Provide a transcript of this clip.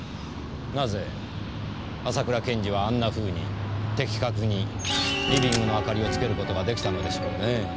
なぜ浅倉検事はあんなふうに的確にリビングの明かりをつけることができたのでしょうね？